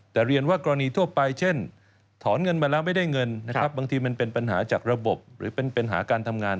แต่เรียนว่ากรณีทั่วไปเช่นถอนเงินมาแล้วไม่ได้เงินนะครับบางทีมันเป็นปัญหาจากระบบหรือเป็นปัญหาการทำงาน